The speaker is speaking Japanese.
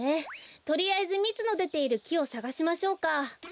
とりあえずみつのでているきをさがしましょうか。